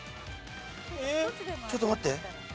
ちょっと待って。